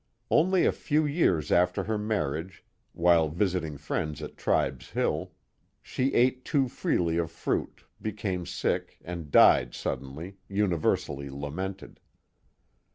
Only a few years after her marriage, while visiting friends at Tribes Hill, she ate too freely of fruit, became sick, and died suddenly, universally lamented.